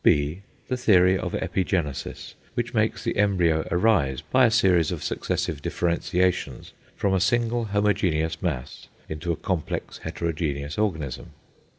(b) The theory of Epigenesis, which makes the embryo arise, by a series of successive differentiations, from a simple homogeneous mass into a complex heterogeneous organism.